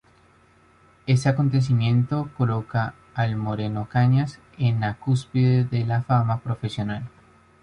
Este acontecimiento coloca al Moreno Cañas en la cúspide de su fama profesional.